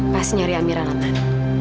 pasti nyari amira nathan